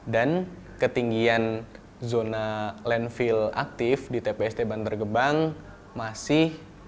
dan ketinggian zona landfill aktif di tpst bantar gebang masih